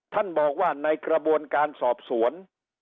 ท่านบอกว่าในกระบวนการสอบสวน